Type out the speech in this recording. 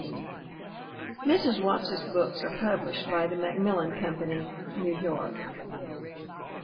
Mrs. Watts's books are published by the Macmillan Company, New York.